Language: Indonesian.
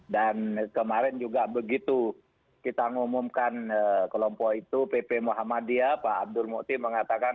dan kemarin juga begitu kita mengumumkan kelompok itu pp muhammadiyah pak abdul mukti mengatakan